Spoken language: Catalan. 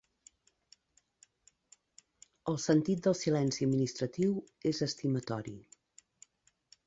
El sentit del silenci administratiu és estimatori.